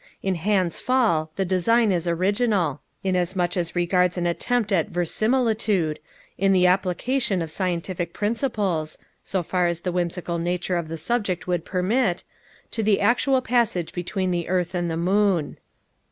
In "Hans Pfaall" the design is original, inasmuch as regards an attempt at verisimilitude, in the application of scientific principles (so far as the whimsical nature of the subject would permit), to the actual passage between the earth and the moon.